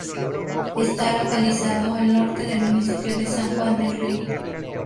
Está localizado al norte del municipio de San Juan del Río.